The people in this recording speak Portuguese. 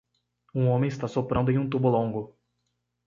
Um homem está soprando em um tubo longo